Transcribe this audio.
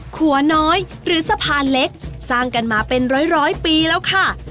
ขัวน้อยหรือสะพานเล็กสร้างกันมาเป็นร้อยปีแล้วค่ะ